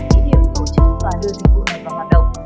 thí điểm tổ chức và đưa dịch vụ này vào hoạt động